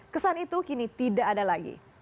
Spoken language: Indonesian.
kesan itu kini tidak ada lagi